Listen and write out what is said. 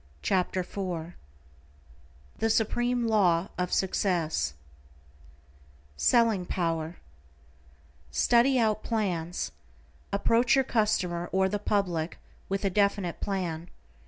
=Lesson Fourth THE SUPREME LAW OF SUCCESS SELLING POWER=: Study out plans. Approach your customer or the public, with a definite plan.